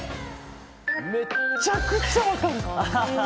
めっちゃくちゃ分かる！